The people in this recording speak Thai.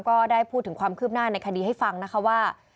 ก็ได้พูดถึงความคืบหน้าในคดีให้ฟังนะคะว่า